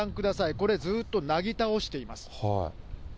これ、ずっとなぎ倒しています。